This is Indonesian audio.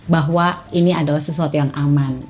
bahwa ini adalah sesuatu yang aman